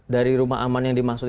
dari rumah aman yang dimaksud